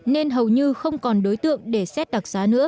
nên hầu như không còn đối tượng để xét kỹ